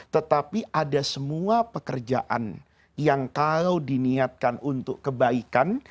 tetapi ada semua pekerjaan yang kalau diniatkan untuk kebaikan